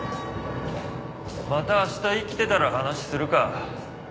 また明日生きてたら話するか。